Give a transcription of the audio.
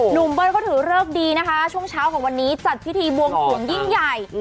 เบิ้ลเขาถือเลิกดีนะคะช่วงเช้าของวันนี้จัดพิธีบวงสวงยิ่งใหญ่